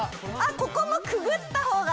ここもくぐった方が。